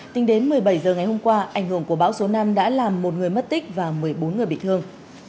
tính đến một mươi bảy h ngày hôm qua ảnh hưởng của bão số năm đã làm một người mất tích và một mươi bốn người bị thương